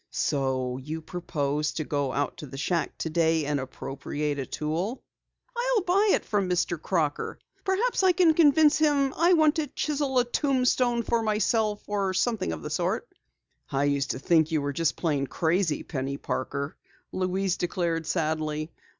"So you propose to go out to the shack today and appropriate a tool?" "I'll buy it from Mr. Crocker. Perhaps I can convince him I want to chisel a tombstone for myself or something of the sort!" "I used to think you were just plain crazy, Penny Parker," Louise declared sadly.